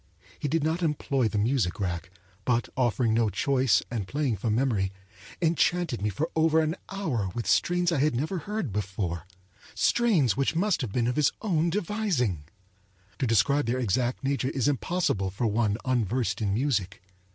He did not employ the music rack, but, offering no choice and playing from memory, enchanted me for over an hour with strains I had never heard before; strains which must have been of his own devising. To describe their exact nature is impossible for one unversed in music.